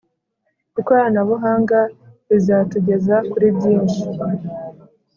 ikoranabuhanga rizatugeza kuri byinshi